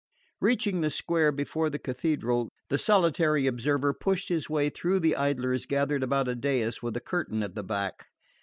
Reaching the square before the Cathedral, the solitary observer pushed his way through the idlers gathered about a dais with a curtain at the back.